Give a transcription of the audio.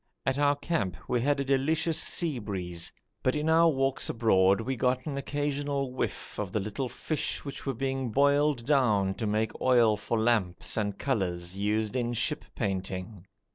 At our camp we had a delicious sea breeze, but in our walks abroad we got an occasional whiff of the little fish which were being boiled down to make oil for lamps and colours used in ship painting.